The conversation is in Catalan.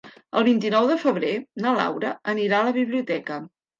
El vint-i-nou de febrer na Laura anirà a la biblioteca.